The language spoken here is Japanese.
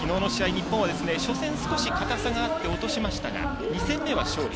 日本は初戦、少し硬さがあって落としましたが２戦目は勝利。